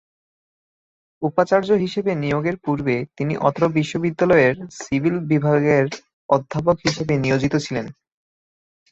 উপাচার্য হিসেবে নিয়োগের পূর্বে তিনি অত্র বিশ্ববিদ্যালয়ের সিভিল বিভাগের অধ্যাপক হিসেবে নিয়োজিত ছিলেন।